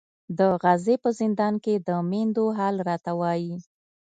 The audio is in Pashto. د غزې په زندان کې د میندو حال راته وایي.